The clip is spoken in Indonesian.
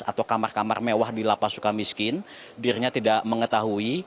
atau kamar kamar mewah di lapas suka miskin dirinya tidak mengetahui